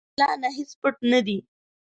له الله نه هیڅ پټ نه دي.